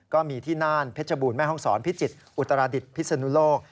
ก็มีที่น่านเพชรบูรแม่ห้องศรพิจิตรอุตราดิษฐ์พิศนุโลก